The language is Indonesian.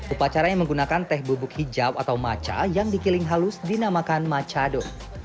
upacara yang menggunakan teh bubuk hijau atau matcha yang dikiling halus dinamakan matchado